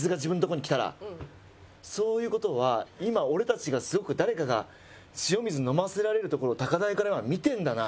そういう事は今俺たちがすごく誰かが塩水飲ませられるところを高台から今見てるんだな。